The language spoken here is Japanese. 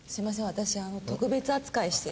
私特別扱いして。